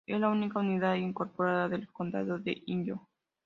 Es la única ciudad incorporada del condado de Inyo.